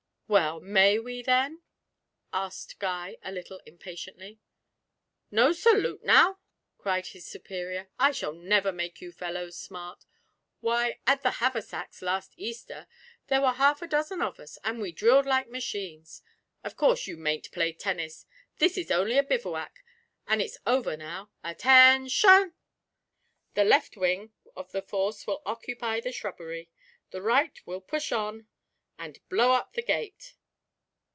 'Well, may we, then?' asked Guy a little impatiently. 'No salute now!' cried his superior. 'I shall never make you fellows smart. Why, at the Haversacks, last Easter, there were half a dozen of us, and we drilled like machines. Of course you mayn't play tennis this is only a bivouac; and it's over now. Attention! The left wing of the force will occupy the shrubbery; the right will push on and blow up the gate.